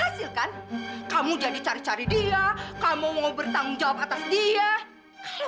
sampai jumpa di video selanjutnya